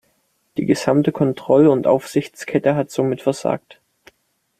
Die gesamte Kontroll- und Aufsichtskette hat somit versagt.